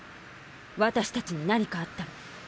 私たちに何かあったら。